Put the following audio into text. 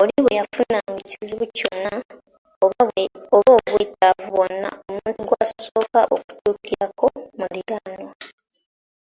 Oli bwe yafunanga ekizibu kyonna oba obwetaavu bwonna omuntu gw'asooka okutuukirako, muliraanwa.